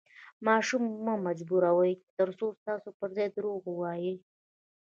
ماشوم مه مجبوروئ، ترڅو ستاسو پر ځای درواغ ووایي.